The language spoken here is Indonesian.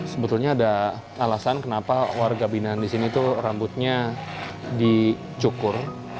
sebetulnya ada alasan kenapa warga binaan di sini itu rambutnya dicukur